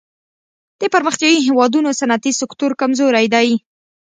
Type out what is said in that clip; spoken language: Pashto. د پرمختیايي هېوادونو صنعتي سکتور کمزوری دی.